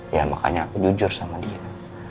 ya makanya aku jujur sama dia